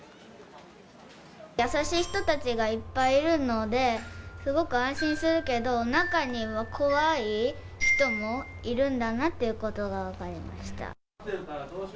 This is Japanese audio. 優しい人たちがいっぱいいるので、すごく安心するけど、中には怖い人もいるんだなっていうことが分かりました。